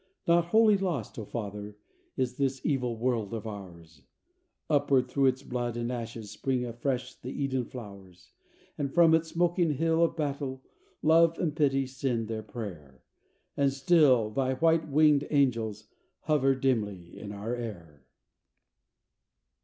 Not wholly lost, O Father, is this evil world of ours; Upward, through its blood and ashes spring afresh the Eden flowers; From its smoking hill of battle love and pity send their prayer, And still Thy white wing'd angels hover dimly in our air.